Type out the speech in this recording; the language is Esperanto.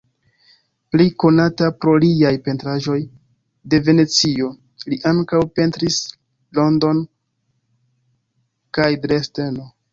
Pli konata pro liaj pentraĵoj de Venecio, li ankaŭ pentris Londonon kaj Dresdeno.